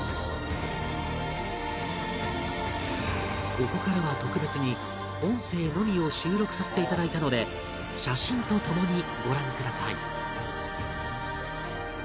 ここからは特別に音声のみを収録させて頂いたので写真と共にご覧ください